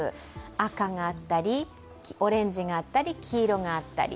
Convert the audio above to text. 赤があったり、オレンジがあったり黄色があったり。